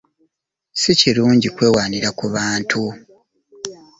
Sikirungi kwewaanira ku bantu.